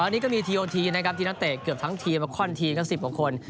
ก่อนอันนี้ก็มีโทตที่ทีมนักเตะเกือบทั้งทีมและค่อนทีมกับสิบโอ้ค่อน